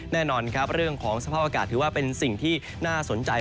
แน่นอนครับเรื่องของสภาพอากาศถือว่าเป็นสิ่งที่น่าสนใจ